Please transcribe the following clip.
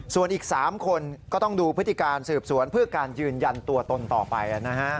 ส่วนอีก๓คนก็ต้องดูพฤติการสืบสวนเพื่อการยืนยันตัวตนต่อไป